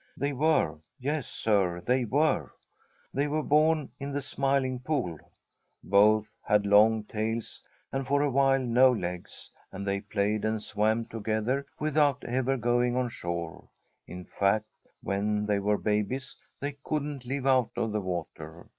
They were. Yes, Sir, they were. They were born in the Smiling Pool. Both had long tails and for a while no legs, and they played and swam together without ever going on shore. In fact, when they were babies, they couldn't live out of the water.